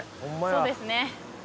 そうですね